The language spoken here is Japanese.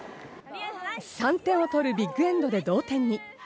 ３点を取るビッグエンドで同点に。